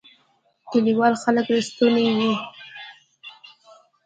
کلیوال خلک رښتونی وی